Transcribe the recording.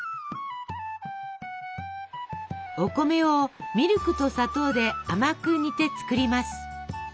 お米をミルクと砂糖で甘く煮て作ります。